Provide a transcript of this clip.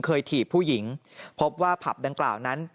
ถีบผู้หญิงพบว่าผับดังกล่าวนั้น